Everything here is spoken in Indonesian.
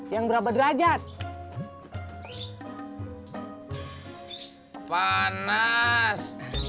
yang berapa derajat panas